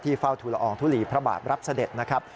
ที่เฝ้าธุระองค์ทุลีพระบาปรับเสด็จนะครับ